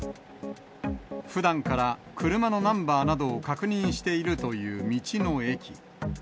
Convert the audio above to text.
ふだんから車のナンバーなどを確認しているという道の駅。